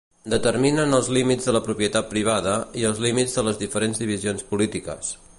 Determinen els límits de la propietat privada i els límits de les diferents divisions polítiques.